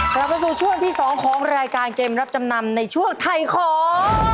กลับมาสู่ช่วงที่๒ของรายการเกมรับจำนำในช่วงไทยของ